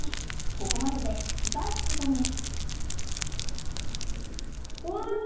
ここまでで引きかえすことに。わ！